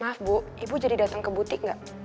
maaf bu ibu jadi datang ke butik nggak